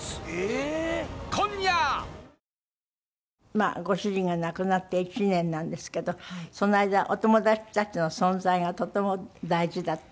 まあご主人が亡くなって１年なんですけどその間お友達たちの存在がとても大事だった？